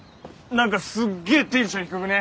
何かすっげえテンション低くね？